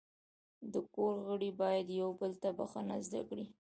د کور غړي باید یو بل ته بخښنه زده کړي.